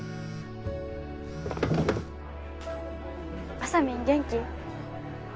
あさみん元気？